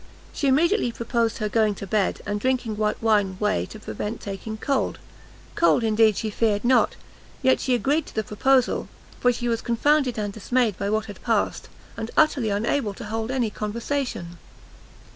She immediately proposed her going to bed, and drinking white wine whey to prevent taking cold; cold, indeed, she feared not; yet she agreed to the proposal, for she was confounded and dismayed by what had passed, and utterly unable to hold any conversation.